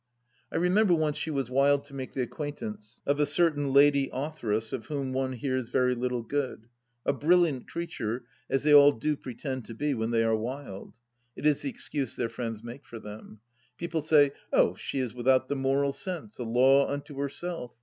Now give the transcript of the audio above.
I remember once she was wild to make the acquaintance of a certain lady authoress of whom one hears very little good : a brilliant creature, as they all do pretend to be when they are "wild"; it is the excuse their friends make for them. People say : Oh, she is without the moral sense — a law unto herself.